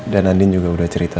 dan anin juga udah cerita